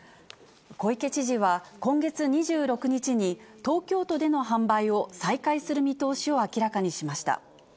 小池知事は今月２６日に、東京都での販売を再開する見通しを明らかにしました。